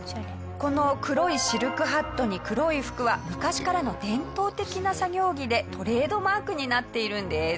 この黒いシルクハットに黒い服は昔からの伝統的な作業着でトレードマークになっているんです。